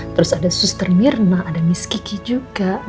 terus ada suster mirna ada miss kiki juga